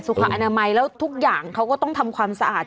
อนามัยแล้วทุกอย่างเขาก็ต้องทำความสะอาด